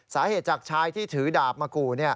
สาเหตุจากชายที่ถือดาบมากู่